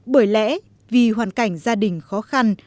bởi lẽ vì hoàn cảnh gia đình khó khăn